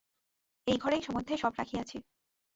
এই ঘরের মধ্যেই সব রাখিয়াছি।